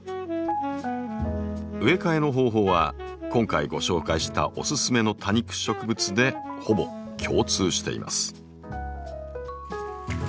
植え替えの方法は今回ご紹介したおススメの多肉植物でほぼ共通しています。